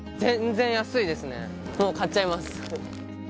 もう買っちゃいます。